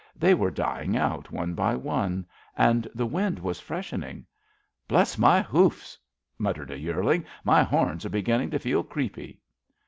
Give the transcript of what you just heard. They were dying out one by one, and the wind was freshening. Bless my hoofs! '' muttered a yearling, my horns are beginning to feel creepy.''